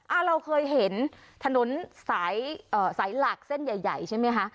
เราเคยเห็นถนนสายเอ่อสายหลักเส้นใหญ่ใหญ่ใช่ไหมคะ